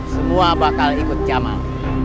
semua bakal ikut jamal